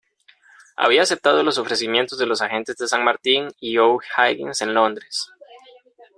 Había aceptado los ofrecimientos de los agentes de San Martín y O'Higgins en Londres.